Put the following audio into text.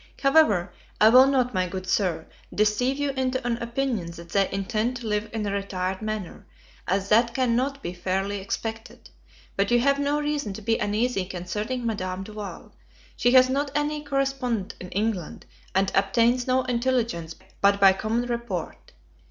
However, I will not, my good Sir, deceive you into an opinion that they intend to live in a retired manner, as that cannot be fairly expected. But you have no reason to be uneasy concerning Madame Duval; she has not any correspondent in England, and obtains no intelligence but by common report.